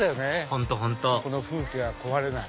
本当この風景は壊れない！